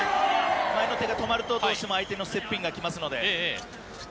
前の手が止まるとどうしても相手の接点が来ますので。